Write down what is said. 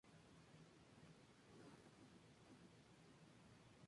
¿vosotros hubieseis vivido?